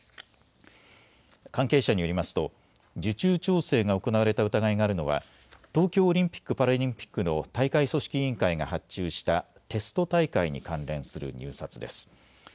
関係者によりますと受注調整が行われた疑いがあるのは東京オリンピック・パラリンピックの大会組織委員会が発注したテスト大会に関連する入札です。